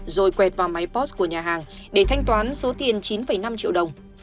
rồi quẹt vào máy post của nhà hàng để thanh toán số tiền chín năm triệu đồng